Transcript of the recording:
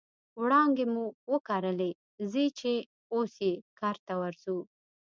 وړانګې مو وکرلې ځي چې اوس یې کرته ورځو